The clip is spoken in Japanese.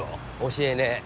教えねぇ。